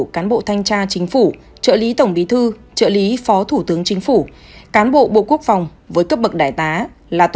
cán bộ thanh tra chính phủ trợ lý tổng bí thư trợ lý phó thủ tướng chính phủ cán bộ bộ quốc phòng với cấp bậc đại tá là